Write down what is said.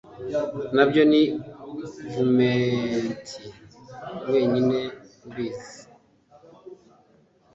Nabyo ni Kavumenti wenyine ubizi